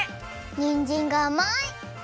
にんじんがあまい！